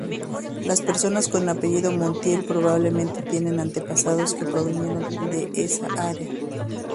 Las personas con apellido "Montiel" probablemente tienen antepasados que provinieron de esa área.